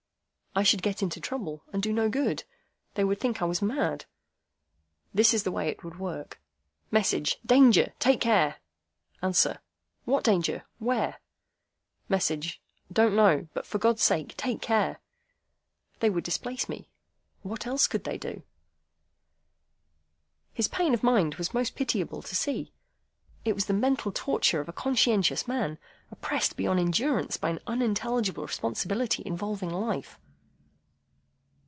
"I should get into trouble, and do no good. They would think I was mad. This is the way it would work,—Message: 'Danger! Take care!' Answer: 'What Danger? Where?' Message: 'Don't know. But, for God's sake, take care!' They would displace me. What else could they do?" His pain of mind was most pitiable to see. It was the mental torture of a conscientious man, oppressed beyond endurance by an unintelligible responsibility involving life.